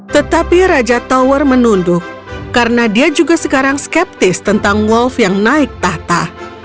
tetapi raja tower menunduk karena dia juga sekarang skeptis tentang wolf yang naik tahta